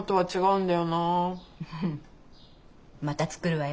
うん。